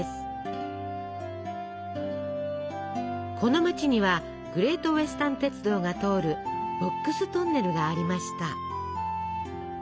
この町には「グレート・ウェスタン鉄道」が通る「ボックス・トンネル」がありました。